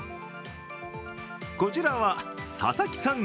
こちらは笹木さん